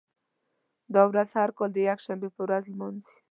دا ورځ هر کال د یکشنبې په ورځ لمانځي.